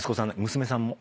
娘さんも。